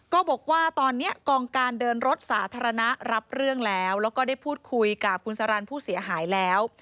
ก็บอกว่าตอนนี้กองการเดินรถสาธารณะรับเรื่องแล้วแล้วก็ได้พูดคุยกับคุณสารันผู้เสียหายแล้ว